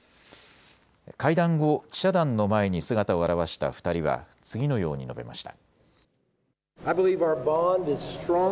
会談後、記者団の前に姿を現した２人は次のように述べました。